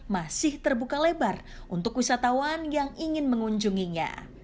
masih terbuka lebar untuk wisatawan yang ingin mengunjunginya